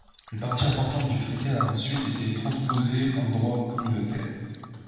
Une partie importante du traité a ensuite été transposée en droit communautaire.